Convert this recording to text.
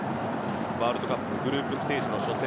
ワールドカップグループステージの初戦